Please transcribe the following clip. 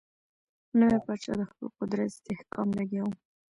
نوی پاچا د خپل قدرت استحکام لګیا وو.